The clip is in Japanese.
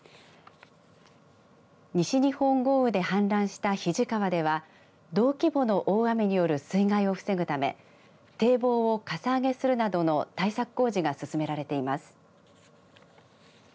西日本豪雨で氾濫した肱川では同規模の大雨による水害を防ぐため堤防をかさ上げするなどの対策工事が進められています。